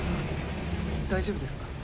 大丈夫ですか？